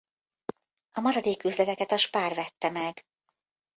A maradék üzleteket a Spar vette meg.